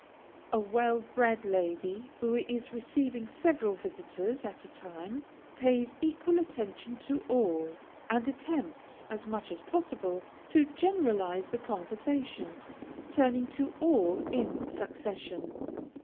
A well bred lady, who is receiving several visitors at a time, pays equal attention to all, and attempts, as much as possible, to generalize the conversation, turning to all in succession.